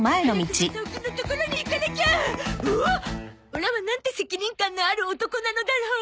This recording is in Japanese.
オラはなんて責任感のある男なのだろう！